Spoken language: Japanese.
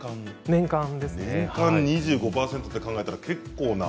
年間２５％って考えたら結構な。